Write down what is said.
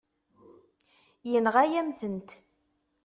Yenɣa-yam-tent.